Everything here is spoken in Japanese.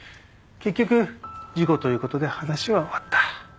結局事故ということで話は終わった。